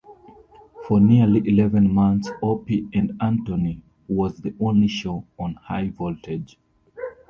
For nearly eleven months, "Opie and Anthony" was the only show on High Voltage.